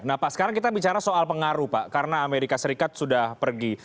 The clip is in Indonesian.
nah pak sekarang kita bicara soal pengaruh pak karena amerika serikat sudah pergi